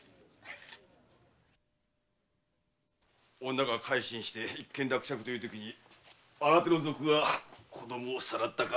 女が改心して一件落着というときに新手の賊が子どもをさらったか。